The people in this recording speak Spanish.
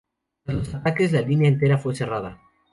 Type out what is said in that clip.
Tras los ataques, la línea entera fue cerrada.